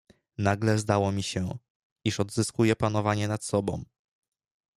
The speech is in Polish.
"Nagle zdało mi się, iż odzyskuje panowanie nad sobą."